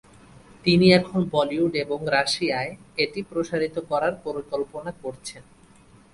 তিনি এখন বলিউড এবং রাশিয়ায় এটি প্রসারিত করার পরিকল্পনা করছেন।